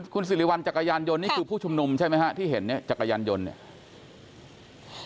คุณสิริวัลจักรยานยนต์นี่คือผู้ชุมนุมใช่ไหมฮะที่เห็นเนี่ยจักรยานยนต์เนี่ย